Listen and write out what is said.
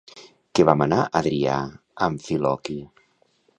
Què va manar Adrià a Amfiloqui?